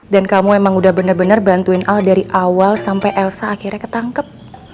dan kamu emang udah bener bener bantuin al dari awal sampe elsa akhirnya ketangkep